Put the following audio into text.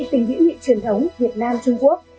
tình dữ dị truyền thống việt nam trung quốc